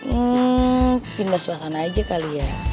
hmm pindah suasana aja kali ya